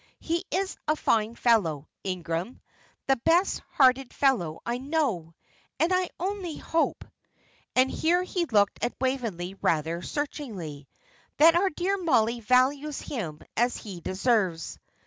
He is a fine fellow Ingram the best hearted fellow I know; and I only hope" and here he looked at Waveney rather searchingly "that our dear Mollie values him as he deserves."